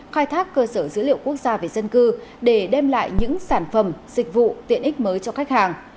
khai thác cơ sở dữ liệu quốc gia về dân cư để đem lại những sản phẩm dịch vụ tiện ích mới cho khách hàng